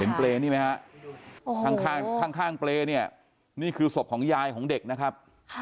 เปรย์นี่ไหมฮะข้างเปรย์เนี่ยนี่คือศพของยายของเด็กนะครับ